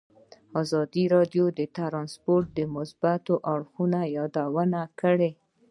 ازادي راډیو د ترانسپورټ د مثبتو اړخونو یادونه کړې.